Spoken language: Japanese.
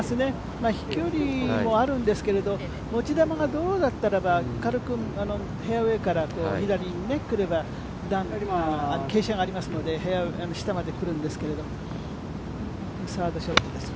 飛距離もあるんですけど持ち球がどうだったら、フェアウエーから左にくれば、傾斜がありますので下まで来るんですけどサードショットです。